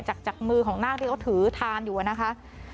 จากมือของนาคที่เขาถือทานอยู่นะคะ